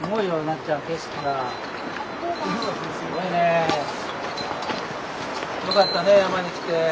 よかったね山に来て。